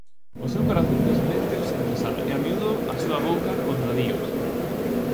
O seu corazón desménteos sen cesar e a miúdo a súa boca contradíos.